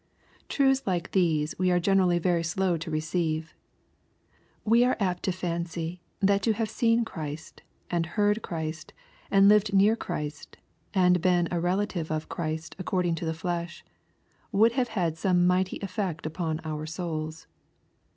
Truths like these we are generally very slow to receive. We are apt to fancy that to have seen Christ, and heard Christ, and lived near Christ, and been a relative of Christ according to the flesh, would have had some mighty ef fect upon our souls.